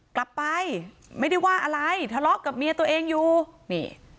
กลับไปไม่ได้ว่าอะไรทะเลาะกับเมียตัวเองอยู่นี่